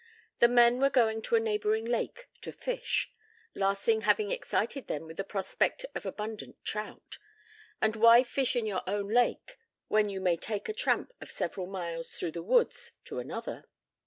The men were going to a neighboring lake to fish, Larsing having excited them with the prospect of abundant trout; and why fish in your own lake when you may take a tramp of several miles through the woods to another?